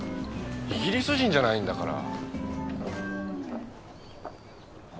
イギリス人じゃないんだから。